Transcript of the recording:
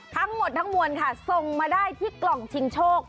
ทั้งหมดทั้งมวลค่ะส่งมาได้ที่กล่องชิงโชค